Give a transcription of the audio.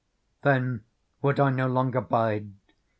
Then would I no longer bide.